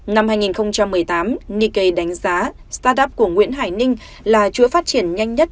năm hai nghìn một mươi tám nikkey đánh giá start up của nguyễn hải ninh là chuỗi phát triển nhanh nhất